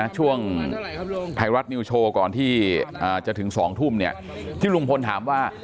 ช่วงไทยรัฐนิวโชว์ก่อนที่จะถึง๒ทุ่มที่ลุงพลถามว่า